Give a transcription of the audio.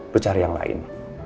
bercari yang lain